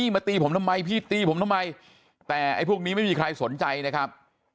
มาตีผมทำไมพี่ตีผมทำไมแต่ไอ้พวกนี้ไม่มีใครสนใจนะครับ